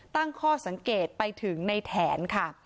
ตั้งข้อสังเกตไปถึงในแถนค่ะ